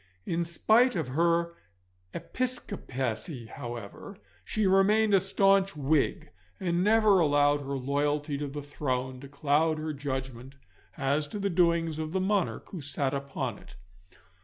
In spite of her Episcopacy, however, she remained a staunch Whig, and never allowed her loyalty to the throne to cloud her judgment as to the doings of the monarch who sat upon it.